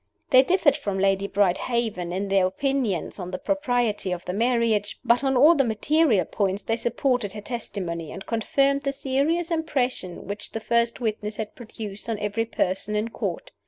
They differed from Lady Brydehaven in their opinions on the propriety of the marriage but on all the material points they supported her testimony, and confirmed the serious impression which the first witness had produced on every person in Court.